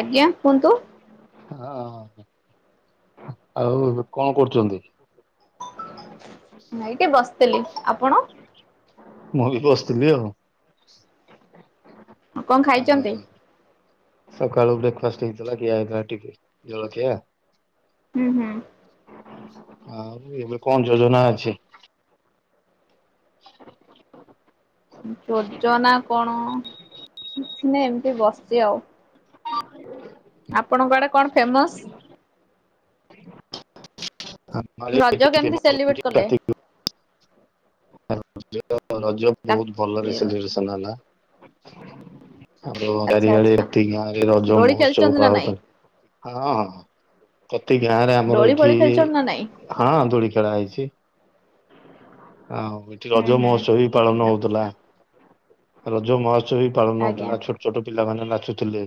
ଆଜ୍ଞା, କୁହନ୍ତୁ। ହଁ, ହଁ। ଆଉ କଣ କରୁଛନ୍ତି? ଏଇଠି ବସିଥିଲି। ଆପଣ? ମୁଁ ବି ବସିଥିଲି ଆଉ। କଣ ଖାଇଛନ୍ତି? ଅହୋ। ସକାଳୁ ବ୍ରେକଫାଷ୍ଟ ହେଇଥିଲା, ଖିଆ ହେଇଥିଲା ଟିକେ ଜଳଖିଆ ହୁଁ, ହୁଁ। ଆଉ ବି ଏବେ କଣ ଯୋଜନା ଅଛି? ଯୋଜନା କଣ, ମାନେ ଏମତି ବସିଛି ଆଉ। [unintelligible] ଆପଣଙ୍କ ଆଡ଼େ କଣ ଫେମସ୍? ଆମର ଏଠି ରଜ କେମତି ହଉଛି ସେଲିବ୍ରେଟ କଲେ? କାର୍ତ୍ତିକ [unintelligible] ରଜ ବହୁତ ଭଲରେ କାର୍ତ୍ତିକ ସେଲିବ୍ରେସନ ହେଲା। ଆଗୁରୁ ଆଚ୍ଛା ଚାରିଆଡ଼େ ଆଚ୍ଛା। ଏତିକି ଗାଁରେ ରଜ ଦୋଳି ମହୋତ୍ସବ ଖେଳିଛନ୍ତି ନା କୁହା ନାଇଁ ହୋଉଥିଲା ହଁ ହଁ। ପ୍ରତି ଗାଁରେ ଆମର ଦୋଳି ଫୋଳି ଏଠି, ଖେଳିଛନ୍ତି ନା ନାଇଁ ହଁ, ଦୋଳି ଖେଳା ହେଇଛି। ଆଉ ଇଠି ହୁଁ ରଜ ହୁଁ। ମହୋତ୍ସବ ବି ପାଳନ ହଉଥିଲା। ଆଚ୍ଛା ରଜ ମହୋତ୍ସବ ବି ପାଳନ ଆଜ୍ଞା ହଉଥିଲା, ଛୋଟ ଛୋଟ ପିଲାମାନେ ନାଚୁଥିଲେ,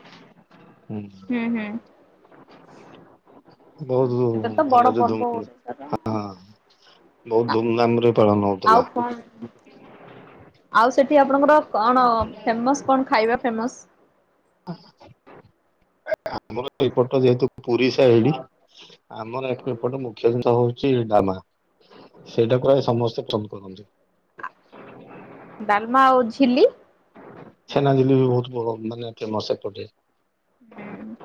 ହୁଁ। ହୁଁ, ହୁଁ। ବହୁତ ସେଇଟା ତ ବଡ଼ ଭଲରେ ଧୁମ୍ ପର୍ବ ଓଡିଶାର। ହଁ ବହୁତ ଧୁମଧାମରେ ପାଳନ ହଉଥିଲା। ଆଉ ସେଠି ଆପଣଙ୍କର କଣ, ଫେମସ୍ କଣ ଖାଇବା ଫେମସ୍? ଆମର ଏଇପଟ ଯେହେତୁ ପୁରୀ ସାଇଡ ଆମର ଏକର ଏପଟ ମୁଖ୍ୟ ଜିନିଷ ହଉଛି ଡାଲମା। ସେଇଟା ପ୍ରାୟ ସମସ୍ତେ ପସନ୍ଦ କରନ୍ତି। ଡାଲମା ଆଉ ଝିଲ୍ଲି? ଛେନାଝିଲ୍ଲି ବି ବହୁତ ପ୍ରକାର ମାନେ ଫେମସ୍ ଏପଟେ। ହୁଁ,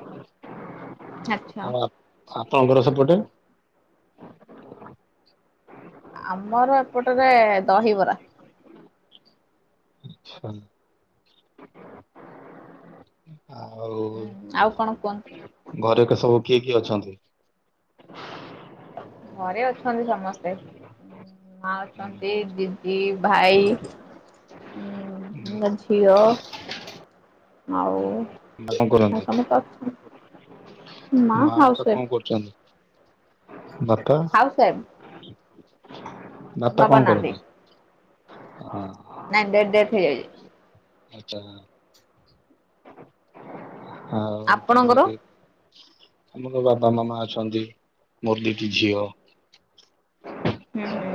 ଆଚ୍ଛା। ଆଉ ଆ- ଆପଣଙ୍କର ସେପଟେ? ଆମର ଏପଟରେ ଦହିବରା। ଆଚ୍ଛା। ଆଉ ହୁଁ ଆଉ କଣ କୁହନ୍ତୁ? ଘରେ ଏକ ସବୁ କିଏ କିଏ ଅଛନ୍ତି? ଘରେ ଅଛନ୍ତି ସମସ୍ତେ। ମା ଅଛନ୍ତି, ଉଁ, ଦିଦ ଦି, ଭାଇ, ଉମ୍ ମୁଁ ଅଛି। ଝିଅ ଆଉ ମା କଣ କରନ୍ତି? ସମସ୍ତେ ଅଛନ୍ତି ମା ହାଉସ ବାପା ୱାଇଫ କଣ କରୁଚନ୍ତି? ବାପା, ହାଉସ ୱାଇଫ ବାପା ବାବା କଣ ନାହାନ୍ତି। କରନ୍ତି? ହଁ। ନାଇଁ ଡେ-ଡେଥ୍ ହେଇଯାଇଛି। ଆଚ୍ଛା। ହଉ ତାହେଲେ ଆପଣଙ୍କର? ଟିକେ ଆମର ବାବା ମାମା ଅଛନ୍ତି, ମୋର ଦିଟି ଝିଅ ହୁଁ, ହୁଁ।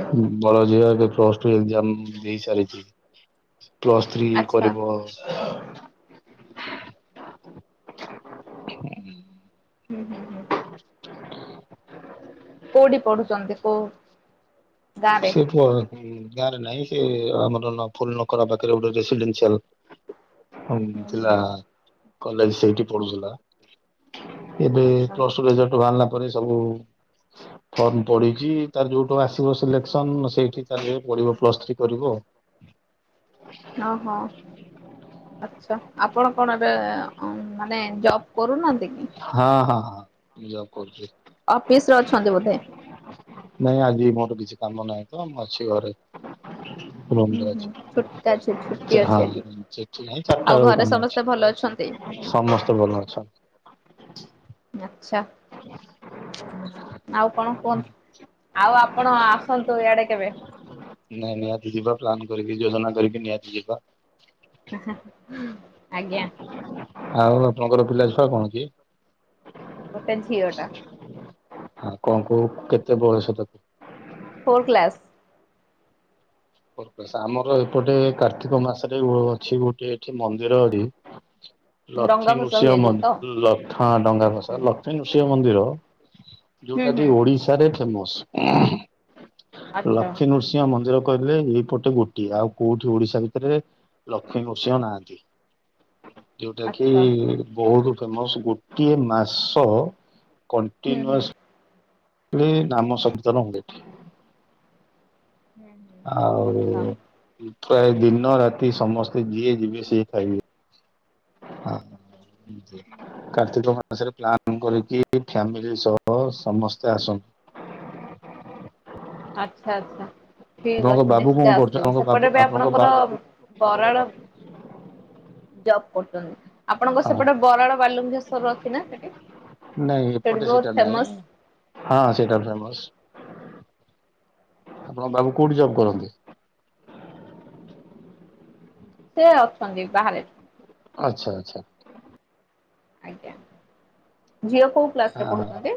ବଡ଼ ଝିଅ ଏବେ ପ୍ଲସ୍ ଟୁ ଏକ୍ଜାମ ଦେଇସାରିଚି। ପ୍ଲସ୍ ଥ୍ରୀ ଆଚ୍ଛା କରିବ ହୁଁ ହୁଁ, ହୁଁ, ହୁଁ। କୋଉଠି ପଢ଼ୁଛନ୍ତି? କୋଉ ଗାଁରେ? ସିଟ୍ ପ ହୁଁ ଗାଁରେ ନାହିଁ ସେ ଆମର ନଖ ଫୁଲ ନଖରା ପାଖରେ ଗୋଟେ ଜେସିଲିନ ଚାଲୁ ହଁମ୍ ହୁଁ ଥିଲା ହୁଁ କଲେଜ ସେଇଠି ପଢୁଥିଲା। ଏବେ ଆଚ୍ଛା ପ୍ଲଷ୍ଟୁ ରେଜଲ୍ଟ ବାହାରିଲା। ପରେ ସବୁ ଫର୍ମ ପଡି଼ଚି ତାର ଯୋଉଠୁ ଆସିବ ସିଲେକ୍ସନ ସେଇଠି ତାର ଯେବେ ପଢି଼ବ ପ୍ଲସ୍ ଥ୍ରୀ କରିବ ଆଉ ହଁ ହଁ। ଆଛା ଆପଣ କଣ ଏବେ ମାନେ ଜବ୍ କରୁନାନ୍ତି କି? ହଁ ହଁ ଯବ କରୁଚି। ଅଫିସ ରେ ଅଛନ୍ତି ବୋଧେ ନାଇଁ ଆଜି ମୋର କିଛି କାମ ନାହିଁ ତ ମୁଁ ଅଛି ଘରେ। ହୁଁ ରୁମରେ ହୁଁ ଅଛି ଛୁ ଛୁଟ୍ଟା ଛି ଛୋଟିଆ ହଁ ଛେଳିଟେ ସେଠି ନାହିଁ ଆଜି ଚାରିଟା ଆଉ ବେଳକୁ ଘରେ କାମ ଅଛି ସମସ୍ତେ ଭଲ ଅ ସମସ୍ତେ ଭଲ ଅଛ ଆଚ୍ଛା। ଆଉ କଣ କୁହନ୍ତୁ ଆଉ ଆପଣ ଆସନ୍ତୁ ଇଆଡ଼େ କେବେ। ନାଇଁ ନିହାତି ଯିବା ପ୍ଲାନ୍ କରିକି ଯୋଜନା କରିକି ନିହାତି ଯିବା। ଆଜ୍ଞା। ଆଉ ଆପଣଙ୍କର ପିଲା ଛୁଆ କଣ କି? ଗୋଟେ ଝିଅ ଟା। ହଁ କଣ କହୁ କେତେ ବୟସ ତାକୁ? Four class. ଆମର ଏପଟେ କାର୍ତ୍ତିକ ମାସରେ ଅଛି ଗୋଟେ ଏଠି ମନ୍ଦିର ରେ ଡଙ୍ଗା ଲକ୍ଷ୍ମୀ ଭସା ହୁଏ ଯୋଉ ତ? ନୃସିିଂହି ଲକ୍ଷ୍ଣ ଡଙ୍ଗା ଭଷା ଲକ୍ଷ୍ମୀ ନୃସିିଂହ ମନ୍ଦିର ହୁଁ ଯୋଉଟା କି ହୁଁ ଓଡିଶାରେ ଫେମସ ଆଚ୍ଛା ଲକ୍ଷ୍ମୀ ନୃସିଂହ ମନ୍ଦିର କହିଲେ ଏଇପଟେ ଗୋଟିଏ ଆଉ କୋଉଠି ଓଡିଶା ଭିତରେ ଲକ୍ଷ୍ମୀ ନୃସିଂହ ନାହାନ୍ତି। ଯୋଉଟା କି ଆଚ୍ଛା ବହୁତ ଫେମସ ଗୋଟିଏ ମାସ। ହୁଁ ହୁଁ। କଣ୍ଟିନ୍ୟୁସ୍ ନାମ ସକିତନ ହୁଏ ଏଠି। ହୁଁ ହୁଁ। ଆଉ ଆଚ୍ଛା ପ୍ରାୟ ଦିନ ରାତି ସମସ୍ତେ ଯିଏ ଯିବେ ସିଏ ଖାଇବେ ୲ ହ କାର୍ତ୍ତିକ ମା ମାସରେ ପ୍ଲାନ୍ କରିକି ଫ୍ୟାମିଲି ସହ ସମସ୍ତେ ଆସନ୍ତି। ଆଚ୍ଛା ଆଚ୍ଛା ଠିକ୍ ଆପଣଙ୍କ ଅଛି ବାବୁ ନିଚୟ କଣ କରୁଛନ୍ତି ଆସିବୁ ଆପଣଙ୍କ ବାବୁ ସେପଟେ ବି ଆପଣଙ୍କ ବା ଆପଣଙ୍କର ଵରାଳ ଜବ କରୁଚନ୍ତି। ଆପଣଙ୍କ ସେପଟେ ହଁ ବରାଳ ବାଲୁଙ୍କେଶ୍ୱର ଅଛି ନା ସେଠି ନାଇଁ ସେଠି ଏପଟେ ସେଇଟା ବହୁତ ନାଇଁ ଫେମସ। ହଁ ସେଇଟା ଫେମସ ଆପଣଙ୍କ ବାବୁ କୋଉଠି ଜବ କରନ୍ତି? ସେ ଅଛନ୍ତି ବାହାରେ। ଆଚ୍ଛା ଆଚ୍ଛା। ଆଜ୍ଞା ଝିଅ କୋଉ କ୍ଲାସ ହ ରେ ପଢୁଛନ୍ତି?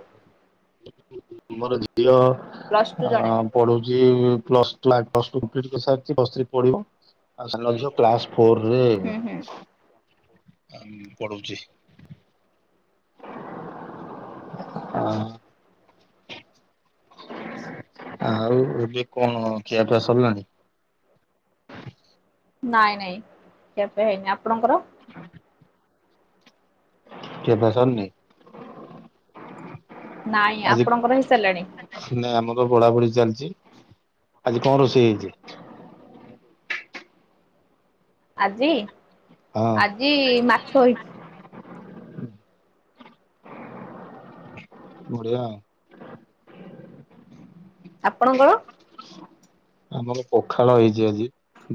ମୋର ଝିଅ ପ୍ଲସ ଟୁ ଅ ଜଣେ ହୁଁ ପଢୁଚି plus class plus two complete ସାରିଛି ପ୍ଲସ୍‌ ଥ୍ରି ପଢିବା ଆଉ ସାନଝିଅ ଫୋର ରେ ହୁଁ ପଢୁଚି ଆଚ୍ଛା ହ। ଆଉ ଏବେ କଣ ଖିଆପିଆ ସରିଲାଣି? ନାଇଁ ନାଇଁ ଏବେ ହେଇନି ଆପଣଙ୍କର? କିଆ ପିଆ ସରିନେ। ନାଇଁ ଆପଣଙ୍କର ହେଇସାରିଲାଣି? କିଛି ନାଇଁ ଆମର ବଢା ବଢି ଚାଲିଛି ଆଜି କଁ ରୋଷେଇ ହେଇଛି‌। ଆଜି। ହଁ। ଆଜି ମାଛ ହେଇଛି। ବଢ଼ିଆ। ଆପଣଙ୍କର। ଆମର ପଖାଳ ହେଇଛି ଆଜି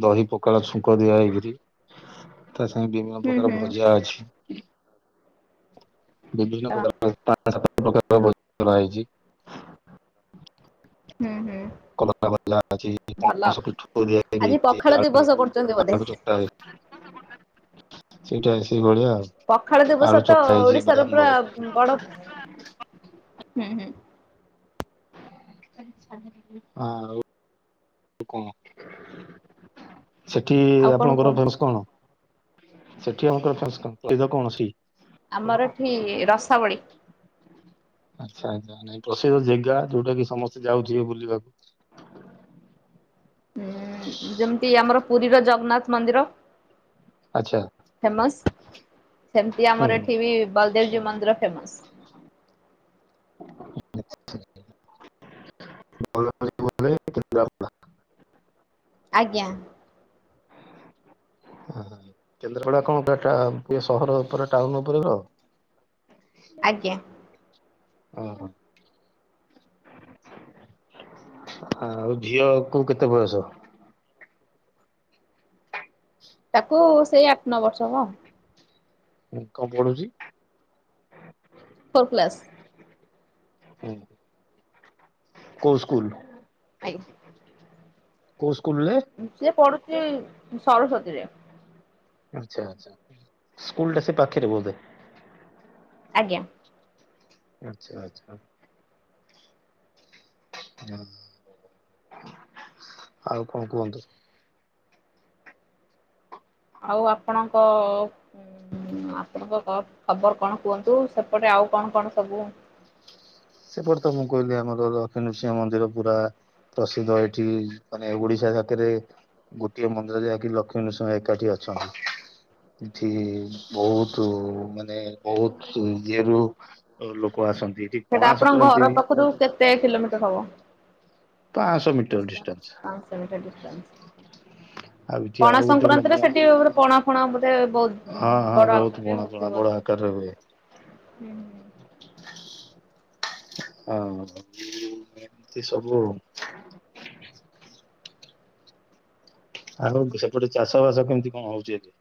ଦହି ପଖାଳ ଛୁଙ୍କ ଦିଆ ହେଇକିରି। ତା ସାଙ୍ଗେରେ ବିଭିନ୍ନ ହୁଁ ପ୍ରକାର ହୁଁ ଆଚ୍ଛା। ଭଜା ଅଛି। ବିଭିନ୍ନ ପ୍ରକାର ଆଜି ପାଁ ସାତ ପ୍ରକାର ର ଭଜା କରା ହେଇଛି। ହୁଁ ହୁଁ। କଲରା ଭଜା ଅଛି ଭଲ ପଣସ ପିଠୋଉ ଦିଆ ହେଇକି ଆଜି ପଖାଳ ହେଇଛି ଆଉ ଦିବସ କରୁଛନ୍ତି ବୋଧେ? ଆଳୁ ଚକଟା ହେଇଛି। ସେଇଟା ସେଇ ଭଳିଆ ଆଉ। ପଖାଳ ଆଳୁ ଦିବସ ତ ଚକଟା ହେଇଛି ଓଡିଶାର ବାଦାମ ପୁରା ଭଜା ହେଇଛି। ବଡ ହୁଁ ହୁଁ। ଆଉ। ଆଉ କଁ ସେଠି ଆଉ କଣ ଆପଣଙ୍କର କୁହନ୍ତୁ? ଫେମସ କଣ। ସେଠି ଆପଣ ଙ୍କ ର ଫେମସ କଁ ପ୍ରସିଦ୍ଧ କଣ ଅଛି। ଆମର ଏଠି ରସାବଳି। ଆଚ୍ଛା ଆଚ୍ଛା ନାଇଁ ପ୍ରସିଦ୍ଧ ଜେଗା ଯୋଉଟା କି ସମସ୍ତେ ଯାଉ ଥିବେ ବୁଲିବାକୁ। ହୁଁ ଯେମିତି ଆମର ପୁରୀର ଜଗନ୍ନାଥ ମନ୍ଦିର। ଆଚ୍ଛା। ଫେମସ ସେମିତି ହୁଁ। ଆମର ଏଠି ବି ବଲଦେବି ଜୀଉ ମନ୍ଦିର ଫେମସ। [unintelligible] [unintelligible] ଆଜ୍ଞା। ହଁ କେନ୍ଦ୍ରାପଡା କଣ ପୁର ଟା ପୁରା ସହର ଉପରେ ଟାଉନ ଉପରେ ର। ଆଜ୍ଞା ଅ ହ। ଆଉ ଝିଅକୁ କେତେ ବୟସ। ତାକୁ ସେଇ ଆଠ ନ ବର୍ଷ ହବ ଆଉ। ହୁଁ କଣ ପଢୁଛି। Four class. ହୁଁ, କୋଉ ସ୍କୁଲ। ଆଜ୍ଞା। କୋଉ ସ୍କୁଲରେ। ସିଏ ପଢୁଛି ସରସ୍ଵତୀରେ। ଆଛା, ଆଛା, ସ୍କୁଲ ଟା ସେ ପାଖରେ ବୋଧେ। ଆଜ୍ଞା। ଆଚ୍ଛା ଆଚ୍ଛା। ହଁ ଆଉ କଁ କୁହନ୍ତୁ। ଆଉ ଆପଣଙ୍କ। ହୁଁ, ଆପଣଙ୍କ କ ଖବର କଣ କୁହନ୍ତୁ ସେପଟେ ଆଉ କଣ କଣ ସବୁ। ସେପଟେ ତ ମୁଁ କହିଲି ଆମର ଲକ୍ଷ୍ମୀ ନୃସିଂହ ମନ୍ଦିର ପୁରା। ପ୍ରସିଦ୍ଧ ଏଠି ମାନେ ଓଡିଶା ଜାତିରେ। ଗୋଟିଏ ମନ୍ଦିର ଯାହାକି ଲକ୍ଷ୍ମୀ ନୃସିଂହ ଏକାଠି ଅଛନ୍ତି। ଏଠି ବହୁତ ମାନେ। ବହୁତ ଇଏରୁ ଲୋକ ଆସନ୍ତି ଏଠି। ସେଇଟା ପଣା ଆପଣଙ୍କ ସଂକ୍ରାନ୍ତି ଘର ବି ପାଖରୁ କେତେ କିଲୋମିଟର ହବ? ପାଞ୍ଚଶହ ମିଟର ଡିଷ୍ଟାନ୍ସ। ପାଞ୍ଚଶହ ମିଟର ଆଉ ଡିଷ୍ଟାନ୍‌ସ। ଏଠି ଆଉ ପଣା ଗୋଟେ ସଂକ୍ରାନ୍ତିରେ ମଧ୍ୟ ସେଠି ପଣା ଫୁଣା ବୋଧେ ବହୁତ ବଡ ଆକାରରେ ହଉଥିବ ନା? କରରେ ହୁଏ। ହୁଁ ହୁଁ। ହଁ, ଏମିତି ସବୁ ଆଉ ସେପଟେ ଚାଷ ବାସ କେମିତି କଣ ହଉଛି ଏବେ?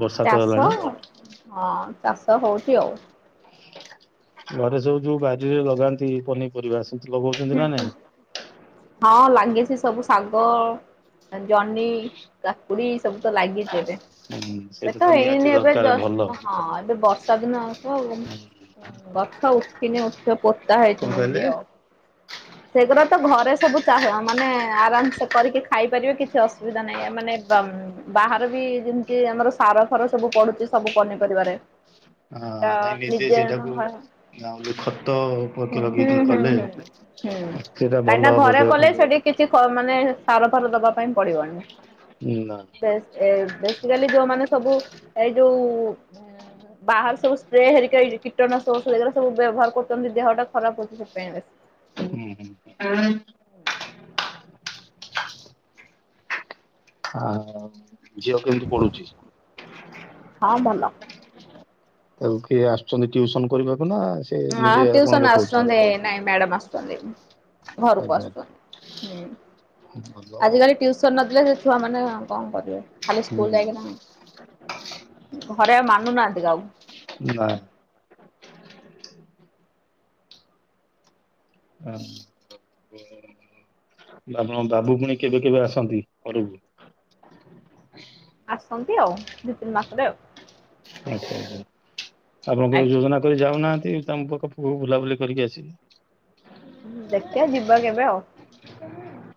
ବର୍ଷା ତ ଚାଷ ହେଲାଣି ହଁ ଚାଷ ହଉଛି ଆଉ ଘରେ ସବୁ ଯୋଉ ବାରିରେ ଲଗାନ୍ତି ପନିପରିବା ସେମିତି ଲଗଉଛନ୍ତି ନା ନାଇଁ? ହଁ ଲାଗିଛି ସବୁ ଶାଗ ଜହ୍ନି କାକୁଡି ସବୁ ତ ଲାଗିଛି ଏବେ। ହୁଁ ଏବେ ସେଇଟା ତ ନିହାତି ହେଇନି ଏବେ ଦରକାର ଭଲ। ଜଷ୍ଟ ହଁ ଏବେ ବର ଦିନ ହେଲା ଗଛ ଉଠିନି ଉଠିବ ପୋତା କଣ ହେଇଛି କହିଲେ ମଞ୍ଜି ଆଉ ସେଗୁଡ଼ାକ ତ ଘରେ ସବୁ ଚାଷ ମାନେ ଆରାମସେ କରିକି ଖାଇପାରିବେ କିଛି ଅସୁବିଧା ନାହିଁ ମାନେ ବାହାରେ ବି ଯେମିତି ଆମର ସାର ଫାର ସବୁ ପଡୁଛି ସବୁ ପନିପରିବାରେ। ହଁ, ଟା ନାଇଁ ନିଜେ ହୁଁ ସେଇଟାକୁ ହୁଁ ଆ ଖତ ପତ ଲଗେଇକି ହୁଁ କଲେ ହୁଁ ସେଟା କାହିଁକିନା ଭଲ ହବ ଘରେ ଦିଆହବା କଲେ ପାଇଁ। ସେଠି କିଛି ମାନେ ସାର ଫାର ଦବା ପାଇଁ ପଡିବନି ନା ବେଶ ଏ ଆଜି କାଲି ଯୋଉମାନେ ସବୁ ଏଇ ଯୋଉ ବାହାରେ ସବୁ ସ୍ପ୍ରେ ହେରିକା କୀଟନାଶ ଔଷଧ ସବୁ ଏଗାର ସବୁ ବ୍ୟବହାର କରୁଛନ୍ତି ଦେହଟା ଖରାପ ହଉଛି ସେଥିାପାଇଁ। ଆଁ। ଝିଅ କେମିତି ପଢ଼ୁଛି? ହଁ, ଭଲ। ତାକୁ କିଏ ଆସୁଛନ୍ତି ଟିଉସନ କରିବାକୁ ନା ସେ ହଁ ନିଜେ ଆପଣ ଟ୍ୟୁସନ ଦେଖଉଛନ୍ତି? ଆସୁଛନ୍ତି ନାଇଁ ମ୍ୟାଡ଼ମ୍ ଆସୁଛନ୍ତି, ଘରକୁ ଆଚ୍ଛା ଆଚ୍ଛା ଆସୁଛନ୍ତି ହୁଁ। ଭଲ ଆଉ ଆଜିକାଲି ଟିୟୁସନ ନଥିଲେ ସେ ଛୁଆ ମାନେ କଣ କରିବେ ଖାଲି ହୁଁ ସ୍କୁଲ ଯାଇକିନା? [inaudible] ଘରେ ଆଉ ମାନୁନାହାନ୍ତି କାହାକୁ? ନାଁ। ହଁ, ଆପଣଙ୍କ ବାବୁ ପୁଣି କେବେ କେବେ ଆସନ୍ତି ଘରକୁ? ଆସନ୍ତି ଆଉ ଦିଇ ତିନି ମାସରେ ଆଉ ଆଚ୍ଛା। ଆପଣ କେବେ ଆଜ୍ଞା ଯୋଜନା କରି ଯାଉନାହାନ୍ତି ତାଙ୍କ ପାଖକୁ ବୁଲାବୁଲି କରିକି ଆସିବେ? ହୁଁ, ଦେଖିବା ଯିବା କେବେ ଆଉ? ଇଚ୍ଛା ନାଇଁ ଆଉ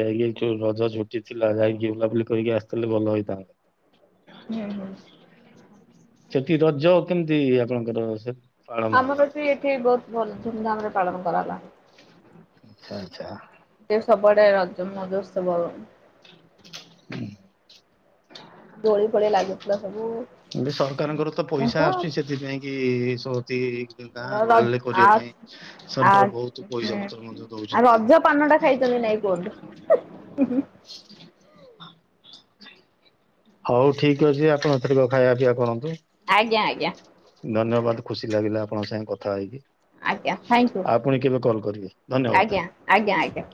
ଯାଇକି ଯୋଉ ରଜ ଛୁଟି ଥିଲା ଯାଇକି ବୁଲାବୁଲି କରିକି ଆସିଥିଲେ ଭଲ ହେଇଥାନ୍ତା। ହୁଁ, ହୁଁ। ସେଠି ରଜ କେମିତି ଆପଣଙ୍କର ସେ ପାଳନ ହେଲା? ଆମରବି ଏଠି ବହୁତ ଭଲ ଧୁମଧାମରେ ପାଳନ କରାହେଲା। ହଁ ଆଚ୍ଛା। ଏବେ ସବୁଆଡେ ରଜ ମଜ ମହୋତ୍ସବ। ଦୋଳି ଫୋଳି ଲାଗୁଥିଲା ସବୁ। ଏବେ ସରକାରଙ୍କର ତ ପଇସା ଆସୁଛି ସେଥିପାଇଁକି ସଉତି ଗାଁ ର ଗହଳିରେ ଆ କରିବା ପାଇଁ ଆ ସରକାର ହୁଁ ବହୁତ ପଇସା ପତ୍ର ମଧ୍ୟ ଆଉ ରଜ ପାନ ଟା ଖାଇଛନ୍ତି ନାଇଁ ଦଉଛନ୍ତି। କୁହନ୍ତୁ। ହୁଁ ହଉ ଠିକ ଅଛି ଆପଣ ଏଥର ଯାଅ ଖାଇବା ପିଇବା କରନ୍ତୁ। ଆଜ୍ଞା, ଆଜ୍ଞା। ଧନ୍ୟବାଦ, ଖୁସି ଲାଗିଲା ଆପଣଙ୍କ ସାଙ୍ଗେ କଥା ହେଇକି। ଆଜ୍ଞା ଥ୍ୟାଙ୍କୟୁ ଆ ପୁଣି କେବେ କଲ୍ କରିବେ ଧନ୍ୟବାଦ। ଆଜ୍ଞା ଆଜ୍ଞା, ଆଜ୍ଞା।